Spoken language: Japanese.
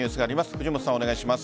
藤本さん、お願いします。